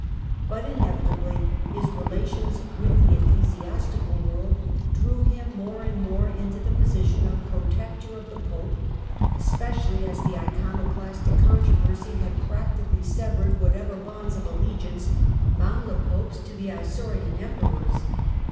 But, inevitably, his relations with the ecclesiastical world drew him more and more into the position of protector of the Pope, especially as the Iconoclastic controversy had practically severed what ever bonds of allegiance bound the Popes to the Isaurian Emperors.